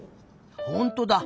ほんとだ。